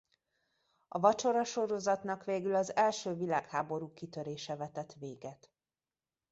A vacsorasorozatnak végül az első világháború kitörése vetett véget.